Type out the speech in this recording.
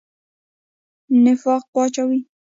نفاق واچوي.